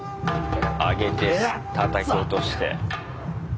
上げてたたき落として。